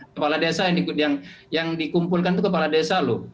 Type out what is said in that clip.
kepala desa yang dikumpulkan itu kepala desa loh